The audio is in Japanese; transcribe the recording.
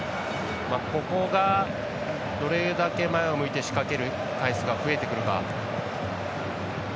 ここがどれだけ前を向いて仕掛ける回数が増えてくるか。